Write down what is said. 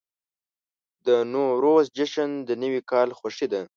د نوروز جشن د نوي کال خوښي ده.